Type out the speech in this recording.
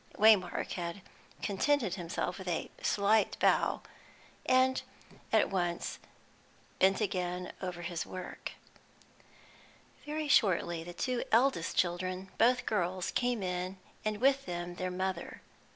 Waymark had contented himself with a slight bow, and at once bent again over his work. Very shortly the two eldest children, both girls, came in, and with them their mother.